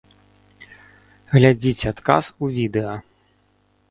Глядзіце адказ у відэа.